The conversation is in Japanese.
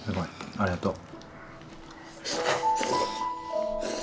ありがとう。